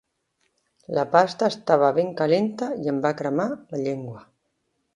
La pasta estava ben calenta i em va cremar la llengua.